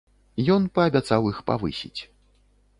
Ён паабяцаў іх павысіць.